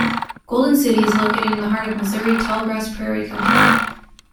Golden City is located in the heart of Missouri Tall Grass Prairie country.